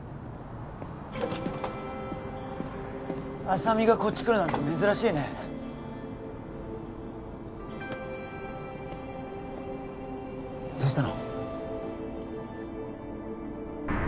浅見がこっち来るなんて珍しいねどうしたの？